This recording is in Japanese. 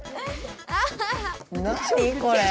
何これ？